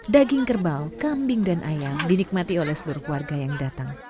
daging kerbau kambing dan ayam dinikmati oleh seluruh warga yang datang